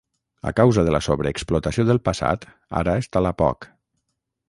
A causa de la sobreexplotació del passat, ara es tala poc.